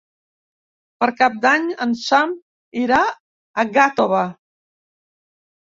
Per Cap d'Any en Sam irà a Gàtova.